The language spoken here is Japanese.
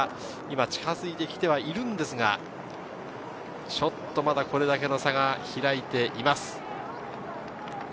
近づいてきているんですが、ちょっとまだ、これだけの差が開いています。